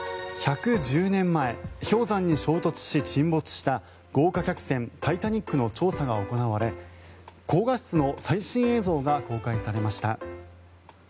１１０年前、氷山に衝突し沈没した豪華客船「タイタニック」の調査が行われ高画質の最新映像が公開されました。